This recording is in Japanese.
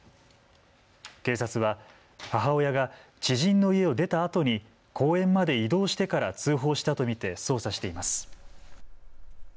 警察は母親が知人の家を出たあとに公園まで移動してから通報したと見て捜査しています。